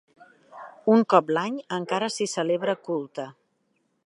Un cop l'any encara s'hi celebra culte.